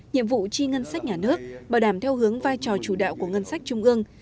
nhiệm vụ chi ngân sách nhà nước bảo đảm theo hướng vai trò chủ đạo của ngân sách trung ương